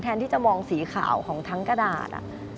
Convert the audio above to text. ที่จะมองสีขาวของทั้งกระดาษ